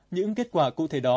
những kết quả cụ thể đó